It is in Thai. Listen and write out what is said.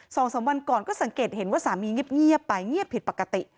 สองสามวันก่อนก็สังเกตเห็นว่าสามีเงียบไปเงียบผิดปกติ